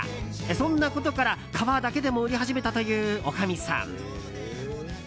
そんなことから皮だけでも売り始めたという、おかみさん。